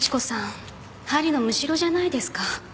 針のむしろじゃないですか。